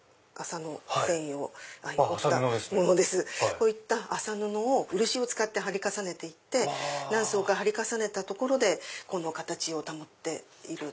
こういった麻布を漆を使って張り重ねていって何層か張り重ねたところでこの形を保っているという。